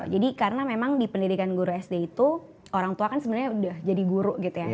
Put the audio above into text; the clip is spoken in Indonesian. jadi karena memang di pendidikan guru sd itu orang tua kan sebenernya udah jadi guru gitu ya